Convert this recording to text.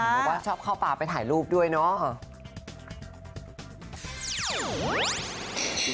บอกว่าชอบเข้าป่าไปถ่ายรูปด้วยเนาะ